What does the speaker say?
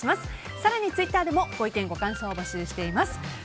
更にツイッターでもご意見、ご感想を募集しています。